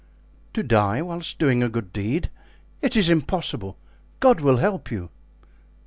"To die whilst doing a good deed! It is impossible. God will help you."